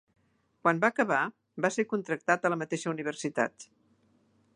Quan va acabar, va ser contractat a la mateixa Universitat.